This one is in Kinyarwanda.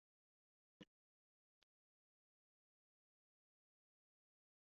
Aba bahungu bafite gahunda